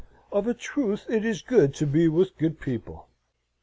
Of a truth it is good to be with good people.